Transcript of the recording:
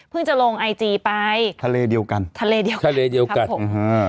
เพิ่งจะลงไอจีไปทะเลเดียวกันทะเลเดียวกันทะเลเดียวกันครับผมอือฮือ